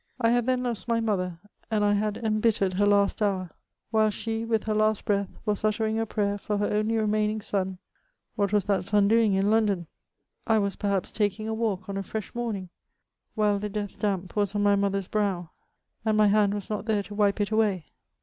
I had then lost my mother ; and I had embittered her last hour I While she, with her last breath, was uttering a prayer for her only remaining son, what was that son doing in London? I was perhaps taking a walk on a fresh morning, while the death damp was on my mother's brow, and my hand was not there to wipe it away